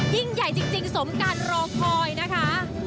ยิ่งใหญ่จริงสมการรอคอยนะคะ